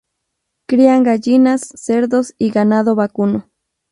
Crían gallinas, cerdos y ganado vacuno.